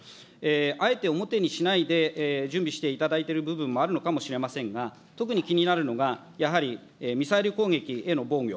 あえて表にしないで準備していただいてる部分もあるのかもしれませんが、特に気になるのが、やはりミサイル攻撃への防御。